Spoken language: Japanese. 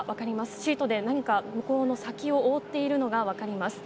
シートで何か向こうの先を覆っているのが分かります。